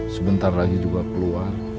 sebentar lagi juga keluar